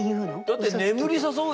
だって「眠り誘う」